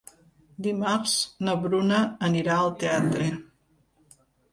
Dimarts na Bruna anirà al teatre.